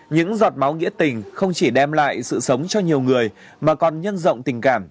những giọt máu nghĩa tình không chỉ đem lại sự sống cho nhiều người mà còn nhân rộng tình cảm